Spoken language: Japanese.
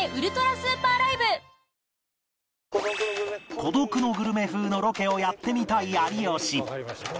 『孤独のグルメ』風のロケをやってみたい有吉